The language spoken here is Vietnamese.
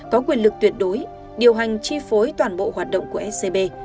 có quyền lực tuyệt đối điều hành chi phối toàn bộ hoạt động của scb